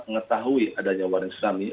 mengetahui adanya warna tsunami